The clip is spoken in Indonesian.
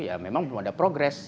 ya memang belum ada progres